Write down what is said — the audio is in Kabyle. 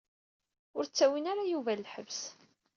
Ur ttawin ara Yuba ɣer lḥebs.